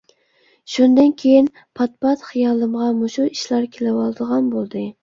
شۇندىن كېيىن پات-پات خىيالىمغا مۇشۇ ئىشلار كېلىۋالىدىغان بولدى.